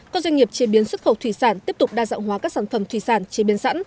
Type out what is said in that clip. các doanh nghiệp chế biến xuất khẩu thủy sản tiếp tục đa dạng hóa các sản phẩm thủy sản chế biến sẵn